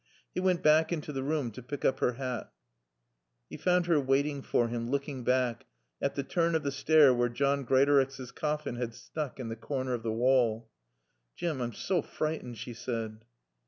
He went back into the room to pick up her hat. He found her waiting for him, looking back, at the turn of the stair where John Greatorex's coffin had stuck in the corner of the wall. "Jim I'm so frightened," she said.